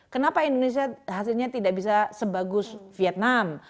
kenapa indonesia hasilnya tidak bisa sebagus vietnam